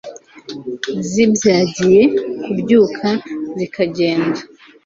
zibyagiye, kubyuka zikagenda